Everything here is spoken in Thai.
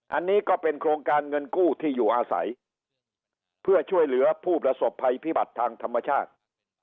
อันนี้ก็เป็นโครงการเงินกู้ที่อยู่อาศัยเพื่อช่วยเหลือผู้ประสบภัยพิบัติทางธรรมชาติ